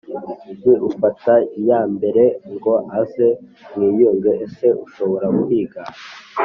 we ufata iya mbere ngo aze mwiyunge ese ushobora kwigana